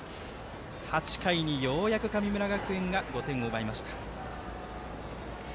８回に、ようやく神村学園が５点を奪いました。